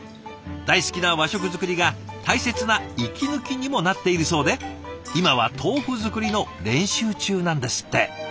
大好きな和食作りが大切な息抜きにもなっているそうで今は豆腐作りの練習中なんですって。